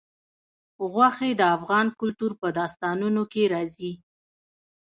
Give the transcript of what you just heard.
غوښې د افغان کلتور په داستانونو کې راځي.